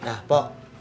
gak ada yang ngerti